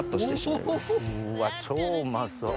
うわ超うまそう。